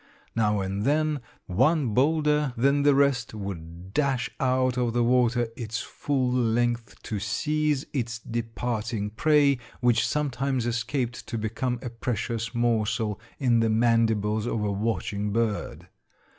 Now and then one bolder than the rest would dash out of the water its full length to seize its departing prey, which sometimes escaped to become a precious morsel in the mandibles of a watching bird.